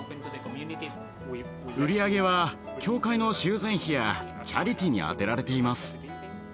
売り上げは教会の修繕費やチャリティーに充てられています。